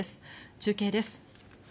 中継です。